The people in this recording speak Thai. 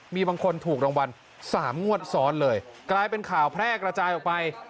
มีบางคนถูกรางวัล๓งวดซ้อนเลยกลายเป็นข่าวแพร่กระจายออกไป